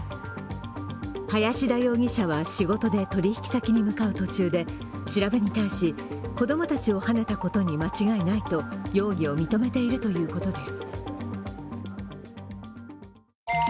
林田容疑者は仕事で取引先に向かう途中で、調べに対し、子供たちをはねたことに間違いないと容疑を認めているということです。